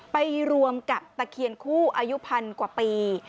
ไปรวมกับตะเคียนคู่อายุพันกว่าปี